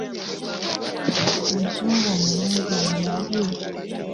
Omuzungu omulungi omulabye?